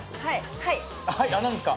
はい何ですか？